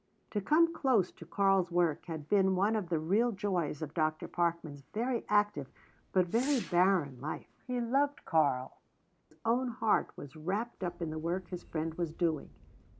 To come close to Karl's work had been one of the real joys of Dr. Parkman's very active but very barren life. He loved Karl; his own heart was wrapped up in the work his friend was doing.